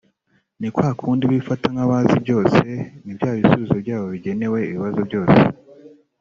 ni kwa kundi bifata nk’abazi byose na bya bisubizo byabo bigenewe ibibazo byose